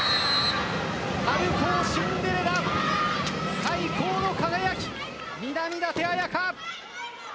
春高シンデレラ最高の輝き、南舘絢華。